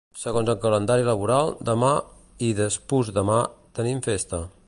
Segons el calendari laboral, demà i despús-demà tenim festa.